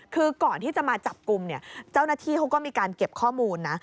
คือก่อนที่จะมาจับกลุ่มเนี่ยเจ้าหน้าที่เขาก็มีการเก็บข้อมูลนะ